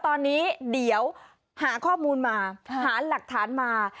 ตอนนี้เดี๋ยวหาข้อมูลมาหาหลักฐานมา